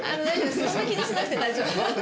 そんな気にしなくて大丈夫。